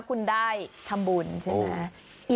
คุณได้ทำบุญใช่ไหม